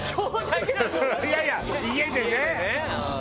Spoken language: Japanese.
いやいや家でね。